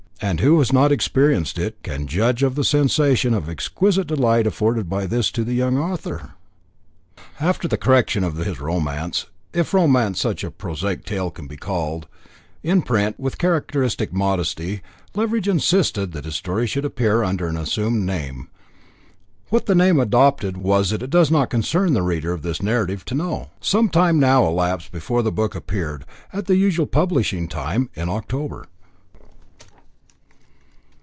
And who that has not experienced it can judge of the sensation of exquisite delight afforded by this to the young author? After the correction of his romance if romance such a prosaic tale can be called in print, with characteristic modesty Leveridge insisted that his story should appear under an assumed name. What the name adopted was it does not concern the reader of this narrative to know. Some time now elapsed before the book appeared, at the usual publishing time, in October.